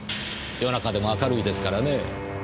夜中でも明るいですからねぇ。